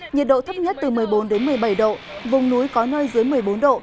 nhiệt độ thấp nhất từ một mươi bốn đến một mươi bảy độ vùng núi có nơi dưới một mươi bốn độ